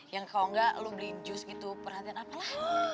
yang kalau enggak lo beliin jus gitu perhatian apalah